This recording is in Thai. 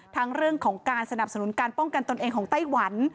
ทั้งเรื่องของการสนับสนุนการป้องกันตนเองของไต้หวัน